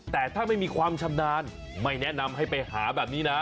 แต่ถ้าไม่มีความชำนาญไม่แนะนำให้ไปหาแบบนี้นะ